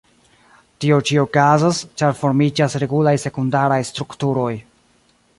Tio ĉi okazas, ĉar formiĝas regulaj sekundaraj strukturoj.